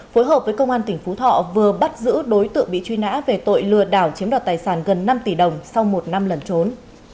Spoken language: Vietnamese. phối hợp với công an tỉnh phú thọ vừa bắt giữ đối tượng bị truy nã về tội lừa đảo chiếm đoạt tài sản gần năm tỷ đồng sau một năm lần trốn